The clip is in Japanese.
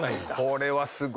これはすごいな。